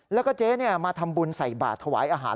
แล้วก็เจ๊มาทำบุญใส่บาทถวายอาหาร